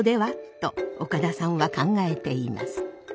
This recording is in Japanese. と岡田さんは考えています。